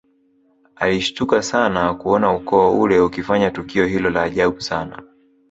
Alishtuka sana kuona ukoo ule ukifanya tukio hilo la ajabu sana